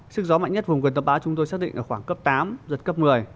sức gió mạnh nhất vùng gần tâm bão chúng tôi xác định ở khoảng cấp tám giật cấp một mươi